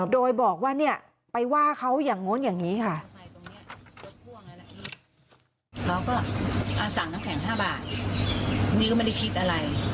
โดยบอกว่าเนี่ยไปว่าเขาอย่างนู้นอย่างนี้ค่ะ